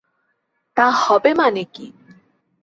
তা হবে মানে কী।